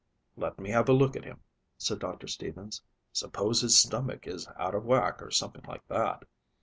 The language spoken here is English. "Let me have a look at him," said Doctor Stevens. "Suppose his stomach is out of whack or something like that."